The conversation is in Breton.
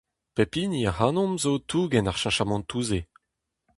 Pep hini ac'hanomp zo o tougen ar cheñchamantoù-se.